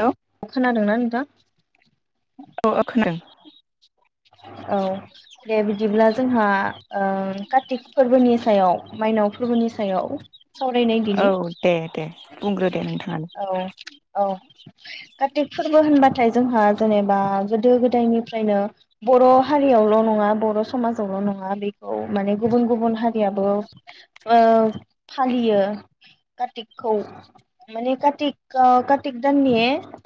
Hello खोनादोंना नोंथां [inaudible] औ औ खोनादों औ दे बिदिब्ला जोंहा ओ कार्तिक फोरबोनि सायाव मायनाव फोरबोनि सायाव सावरायनाय औ दिनि दे दे बुंग्रो दे नोंथाङानो औ औ कार्तिक फोरबो होनबाथाय जोंहा जेनेबा गोदो गोदायनिफ्रायनो बर' हारियावल‌ नङा बर समाजावल नंङा बेखौ माने गुबुन गुबुन हारि आब आ फालियो कार्तिकखौ माने का का कार्तिक दाननि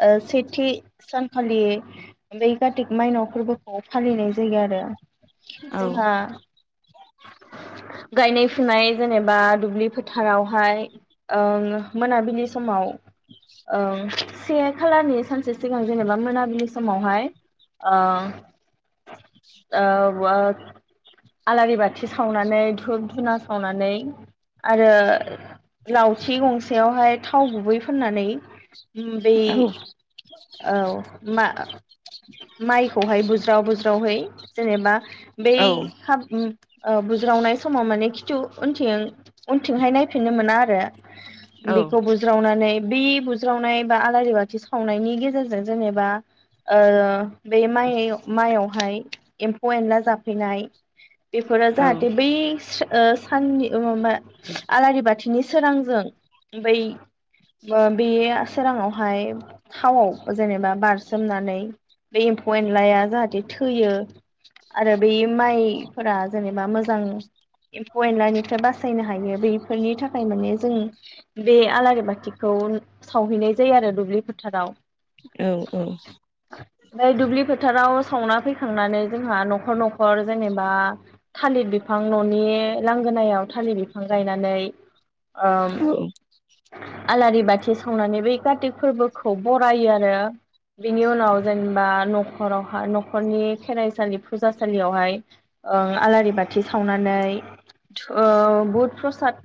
ओ सेथि सानखालि बै कार्तिक माइनाव फोरबो फालिनाय जायो आरो औ ज हा [inaudible] गायनाय फुनाय जेनेबा दुब्लि फोथारावहाय ओ मोनाबिलि समाव ओ से खालारनि सानसे सिगां जेनेबा मोनाबिलि समावहाय ओ आलारि बाथि सावनानै धुप धुना सावनानै आरो लावथि गंसेयावहाय थाव गुबै फोननानै बे औ औ मा माइखौहाय बुज जावहै जेनेबा बै औ खाबु ओ बुज्रावनाय समाव माने खिथु उनथिं उनथिंहाय नायफिननो मोना आरो औ बेखौ बुज्रावनानै बे बुज्रावनाय बा आलारि बाथि सावनायनि गेजेरजों जेनेबा ओ बे मयनिआव बेवहाय एम्फौ एनला जाफैनाय बेफोरो औ जाहाथे बै ओ साननि ओमाबा आलारि बाथिनि सोरांजों बै बे सोराङावहाय थावआव जेनेबा बारसोमनानै बे एम्फौ एनलाया जाहाथे थैयो आरो बै माइफोरा जेनेबा मोजां एम्फौ एनलानिफ्राय बासायनो हायो बेफोरनि थाखाय माने जों बे आलारि बाथिखौ सावहैनाय जायो आरो दुब्लि फोथाराव बे दुब्लि फोथाराव सावना फैखांनानै जोंहा न'खर न'खर जेनेबा थालिर बिफां न'नि लांगोनायाव थालिर बिफां गायनानै आं आलारि बाथि सावनानै बै कार्तिक फोरबोखौ बरायो आरो बिनि उनाव जेनेबा न'खरावहा नख न'खरनि खेराइसालि फुजासालियावहाय ओं आलारि बाथि [unintelligible] थि सावनानै ओ बुद प्रसाद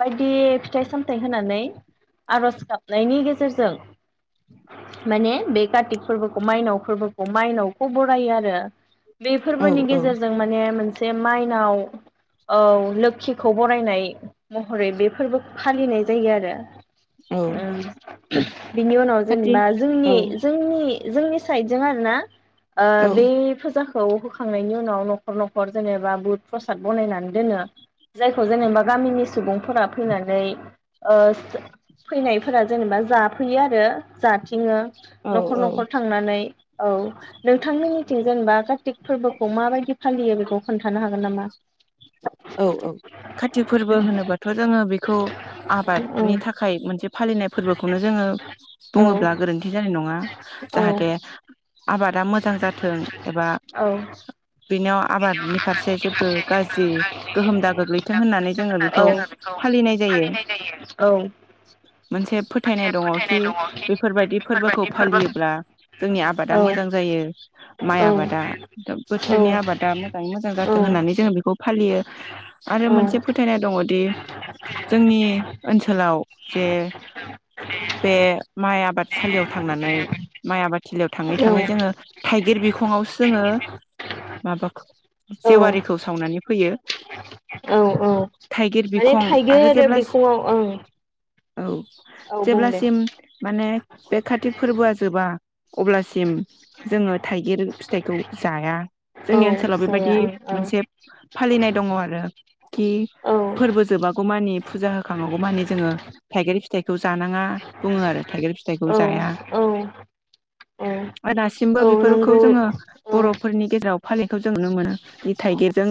बायदि फिथाइ सामथाइ होनानै आर'ज गाबनायनि गेजेरजों माने बे कारतिक फोरबोखौ मायनाव फोरबोखौ माइनाव खौ बरायो आरो। बे औ फोरबोनि गेजेरजों माने मोनसे माइनाव औ लोखिखौ बरायनाय महरै बे फोरबोखौ फालिनाय जायो आरो। औ ओ बिनि उनाव खाथि जेनेबा औ जोंनि जोंनि जोंनि साइदजों आरो ना ओ औ बे फोजाखां खौ होखांनायनि उनाव न'खर न'खर जेनेबा बुद-प्रसाद बनायनानै दोनो जायखौ जेनेबा गामिनि सुबुंफोरा फैनानै ओ सो फैनाय फोरा जेनेबा जाफैयो आरो जाथिङो औ न'खर न'खर थांनानै औ नोंथांमोननिथिं जेनेबा कार्तिक फोरबोखौ माबायदि फालियो बेखौ खोनथानो हागोन नामा? औ औ कातिक फोरबो होनोबाथ' जोङो बेखौ आबादनि थाखाय मोनसे फालिनाय फोरबोखौनो जोङो औ बुङोब्ला गोरोन्थि जानाय नङा जाहाथे औ आबादा मोजां जाथों एबा औ बेनियाव आबादनि फारसे जेबो गाज्रि गोहोम दा गोग्लैथों होननानै जोङो बेखौ बेखौ फालिनाय जायो। औ औ मोनसे फोथायनाय दङ खि बेफोरबायदि फोरबोखौ फालियोब्ला जोंनि औ आबादा मोजां जायो माइ औ आबादा बोथोरनि औ आबाद दा मोजाङै मोजां जाथों औ होन्नानै औ जोंङो बेखौ फालियो आरो मोनसे फोथायनाय दङदि जोंनि ओनसोलाव जे बे माइ आबादसालियाव थांनानै माइ आबाद थिलियाव थाङै थाङै जोङो थाइगिर बिखंआवसो जोङो माबाखौ औ जेवारिखौ सावनानै फैयो। औ औ थाइगिर माने बिखं थाइगिर आरो जेब्ला बिखंआव ओं औ औ बुं दे जेब्लासिम माने बे कातिक फोरबोआ जोबा अब्लासिम जोङो थाइगिर फिथाइखौ जाया औ जोंनि ओनसोलाव जाया बेबायदि मोनसे फालिनाय दङ आरो खि ओं फोरबो जोबागौ मानि फुजा होखाङागौ मानि जोङो थाइगारि फिथाइखौ जानाङा बुङो आरो थाइगिर फिथाइखौ ओं जाया औ औ आरो दासिमबो औ बेफोरखौ नंगौ औ जोङो बर'फोरनि गेजेराव फालिनायखौ जों नुनो मोनो। बि थाइगिरजों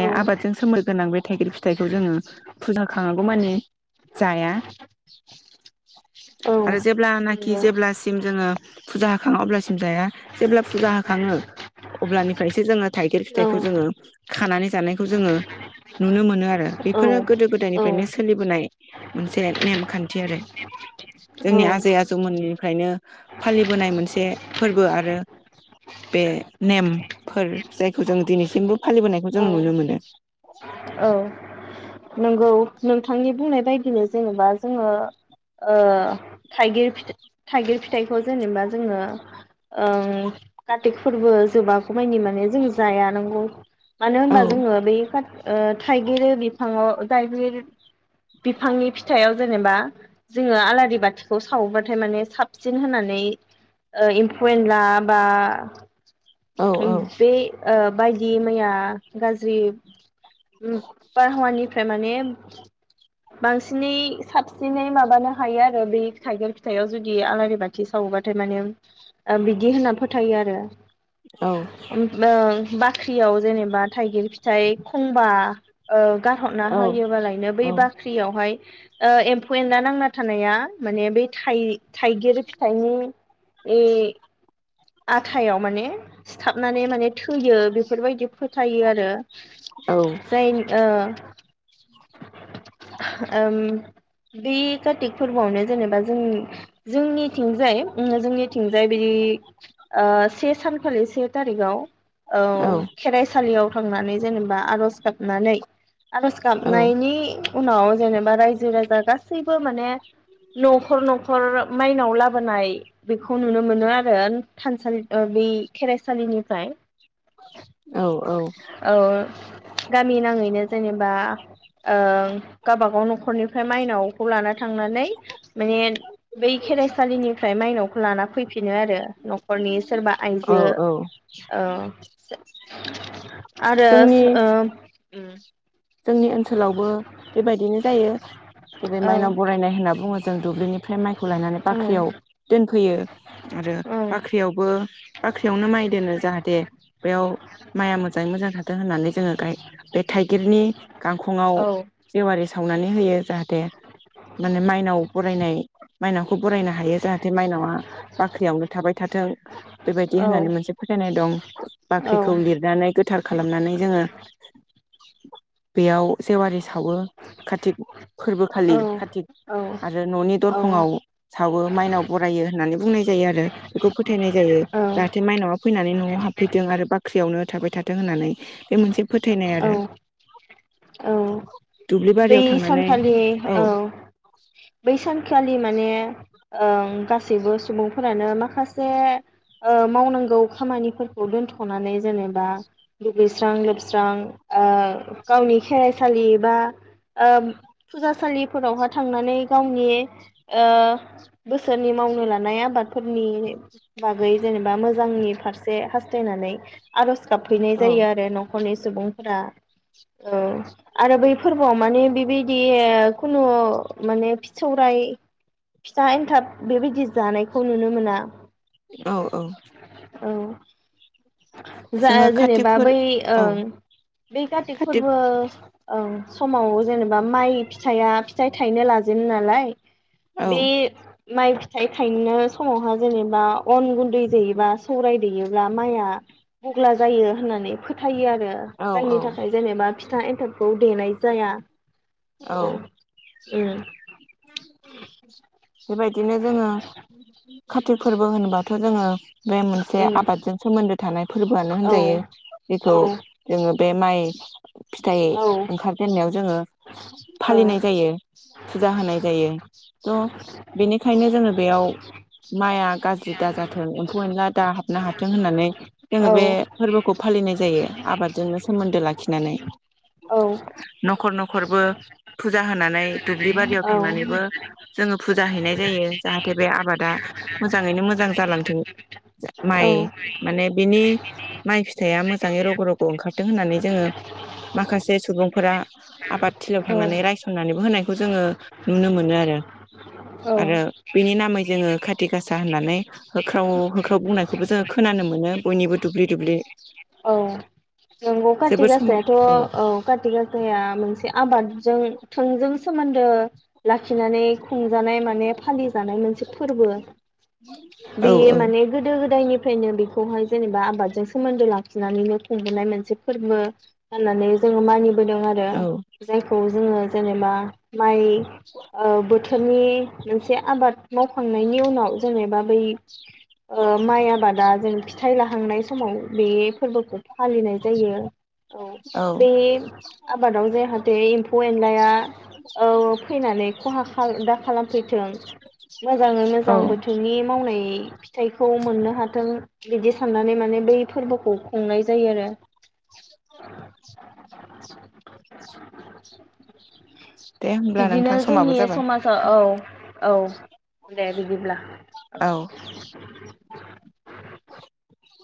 औ आबादजों सोमोन्दो गोनां बे थाइगिर फिथाइखौ जोङो फुजा होखाङागौ मानि जाया। आरो जेब्लानाखि नंगौ जेब्लासिम जोङो फुजा होखाङा अब्लासिम जाया जेब्ला फुजा होखाङो अब्लानिफ्रायसो जोङो थाइगिर औ फिथाइखौ औ जोङो खानानै जानायखौ जोङो नुनो मोनो आ रो बेफोरनो गोदो गोदायनि नो सोलिबोनाय मोनसे नेम खान्थि आरो जोंनि आजै आजौमोननिफ्रायनो फालिबोनाय मोनसे फोरबो आरो बे नेमफोर जायखौ जों दिनैसिमबो फालिबोनायखौ जों औ नुनो मोनो। नोंगौ नोंथांनि बुंनाय बायदिनो जेनेबा जोङो ओ थाइगिर थाइगिर फिथाइखौ जेनेबा जोङो ओ कार्तिक फोरबो जोबागौ मानि माने जों जाया नंगौ। मानो औ होनबा जोङो बे का ओ थाइगिर बिफाङाव जायबोर बिफांनि फिथाइयाव जेनेबा जोङो आलारि बाथिखौ सावोबाथाय माने साबसिन होनानै ओ एम्फौ एनला बा औ औ बे ओ बायदि मैया गाज्रि उम निफ्राय माने बांसिनै साबसिनै माबानो हायो आरो बेै थाइगिर फिथाइयाव जुदि आलारि बाथि सावोबाथाय माने बिदि होनना फोथायो आरो औ ओं बा थियाव जेनबा थाइगिर ओमफ्राय खंबा गारहरना औ होयोबालायनो बै औ बाख्रियावहाय एम्फौ एनला नांना थानाया माने बै थाइ थाइगिर फिथाइनि ए आथायाव माने सिथाबनानै माने थैयो बेफोरबायदि फोथायो आरो औ जाय बे काटि फोरबोआवनो जेनेबा जों जोंनिथिंजाय जोंनिथिंजाय बिदि ओ से सानखालि से थारिखाव औ खेराइसालियाव थांनानै जेनेबा आर'ज गाबनानै आरज औ गाबनायनि उनाव जेनेबा रायजो राजा गासिबो गासैबो माने न'खर न'खर माइनाव लाबोनाय बेखौ नुनो मोनो आरो। थानसालि ओ बै खेराइसालिनिफ्राय। औ औ। औ गामि नाङैनो जेनेबा ओ गावबागाव न'खर निफ्राय माइनावखौ लाना थांनानै माने बै खेराइसालिनिफ्राय माइनावखौ लाना फैफिनो आरो नख रनि सोरबा औ आइजो औ ओ आरो जोंनि सो ओ उम। जोंनि ओनसोलावबो बेबायदिनो जायो जेरै ओ माइनाव बरायनाय होनना बुङो जों दुब्लिनिफ्राय माइखौ लायनानै औ बाख्रियाव दोनफैयो आरो बाख्रियावबो बाख्रियावनो माइ दोनो जाहाथे बेयाव माइआ मोजाङै मोजां थाथों होननानै जोङो गाय बे थाइगिरनि गांखंआव औ जेवारि सावनानै होयो जाहाथे माने माइनाव बरायनाय माइनावखौ बरायनो हायो जाहाथे माइनावआ बाख्रियावनो थाबाय थाथों बेबायदि होननानै मोनसे फोथायनाय दं औ बाख्रिखौ लिरनानै गोथार खालामनानै जोङो [unintelligible] बेयाव जेवारि सावो कारतिक फोरबोखालि कारतिक औ आरो न'नि औ दरखंआव सावो माइनाव बरायो होननानै बुंनाय जायो आरो बेखौ फोथायनाय जायो औ जाहाथे माइनावा फैनानै न'आव हाबफैथों आरो बाख्रियावनो थाबाय थाथों होननानै बे मोनसे फोथायनाय आरो। औ औ। दुब्लि बै बारियाव थांनानै सानखालि औ बै सानखालि माने ओं गासैबो सुबुंफोरानो माखासे मावनांगौ खामानिफोरखौ दोनथ'नानै जेनेबा दुगैस्रां लोबस्रां ओ गावनि खेराइसालि बा ओ फुजासालिफोरावहाय थांनानै गावनि ओ बोसोरनि मावनो लानाय आबादफोरनि बागै जेनेबा मोजांनि फारसे हास्थायनानै आर'ज गाबफैनाय औ जायो आरो न' खरनि सुबुंफोरा ओ आरो बैफोर बोआव माने बेबायदि खुनु माने फि सौराइ फिथा एन्थाब बेबायदि जानायखौ नुनो मोना। औ औ। औ जा जेनेबा बै ओ औ बै कारतिक कार्तिक फोरबो ओं समाव जेनेबा माइ फिथाइया फिथाइ थाइनो लाजेनो नालाय औ बे माइ फिथाइ थायनो समावहा जेनेबा अन गुन्दै जेयोबा सौराय दैयोब्ला माइआ बुग्ला जायो होननानै थायो आरो औ जायनि औ थाखाय जेनेबा फि था एन्थाबखौ देनाय जाया औ उम [unintelligible] बेबायदिनो जोङो काति फोरबो होनबाथ' जोङो बे मोनसे उम आबादजों सोमोन्दो थानाय फोरबोआनो औ होनजायो औ जेखौ जोङो बे माइ फिथाइ औ औ ओंखार जेननायाव जोङो फालिनाय जायो फुजा होनाय जायो थ' बेनिखायनो जोङो बेयाव मा हाया गाज्रि दा जाथों एम्फौ एनला दा हाबनो हाथों होननानै जोङो बे औ फोरबोखौ फालिनाय जायो आबादजोंनो सोमोन्दो लाखिनानै औ [unintelligible] न'खर नख खरबो फुजा होनानै दुब्लि बारियाव थांनानैबो औ जोङो फुजा हैनाय जायो जाहाथे बे आबादा मोजाङैनो मोजां जालांथों माइ औ माने बिनि माइ फिथाइया मोजाङै रग' रग' ओंखारथों होननानै जोङो माखासे सुबुंफोरा आबाद थिलियाव औ थांनानै रायसननानैबो होनायखौ जोङो नुनो मोनो आरो औ आरो बिनि नामै जोङो खाथि गासा होननानै होख्राव होख्राव बुंनायखौबो जोङो खोनानो मोनो बयनिबो दुब्लि दुब्लि औ नंगौ काति जोबोर समाय गासायाथ' औ काति गासाया मोनसे आबादजों थोंजों सोमोन्दो लाखि खिनानै खुंजानाय माने फालिजानाय मोनसे फोरबो औ बेयो औ माने गोदो गोदायनिफ्रायनो बे‌ खौहाय जेनेबा आबादजों सोमोन्दो लाखिनानैनो खुंबोनाय मोनसे फोरबो जानानै जोङो मानि बोदों आरो औ जायखौ जोङो जेनेबा माइ औ बोथो बोथोरनि मोनसे आबाद मावखां थांनायनि उनाव जेनेबा बै माइ आबादा जों फिथाइ लाहांनाय समाव बे फोरबोखौ फालिनाय जायो औ औ बे आबादाव जाहाथे एम्फौ एनलाया फैनानै खहा दा खालामफैथों मोजाङै औ मोजां बोथोरनि मावनाय फिथाइखौ मोननो हाथों बिदि साननानै माने बै फोरबोखौ खुंनाय जायो आरो दे होमब्ला बिदिनो नोंथां समाबो जोंनि जाबाय समाजाव औ औ दे बिदिब्ला औ